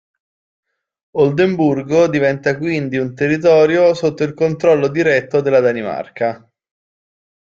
Oldenburgo diventa quindi un territorio sotto il controllo diretto della Danimarca.